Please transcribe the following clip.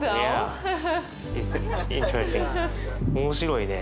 面白いね。